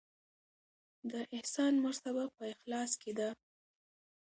د احسان مرتبه په اخلاص کې ده.